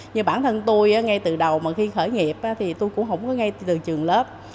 như bản thân tôi ngay từ đầu mà khi khởi nghiệp thì tôi cũng không có ngay từ trường lớp